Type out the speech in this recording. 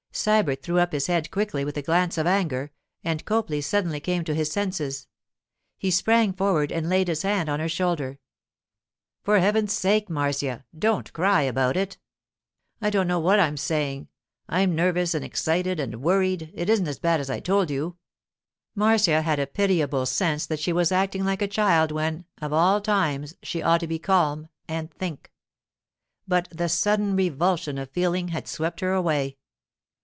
Sybert threw up his head quickly with a glance of anger, and Copley suddenly came to his senses. He sprang forward and laid his hand on her shoulder. 'For Heaven's sake, Marcia, don't cry about it! I don't know what I'm saying. I'm nervous and excited and worried. It isn't as bad as I told you.' Marcia had a pitiable sense that she was acting like a child when, of all times, she ought to be calm and think. But the sudden revulsion of feeling had swept her away.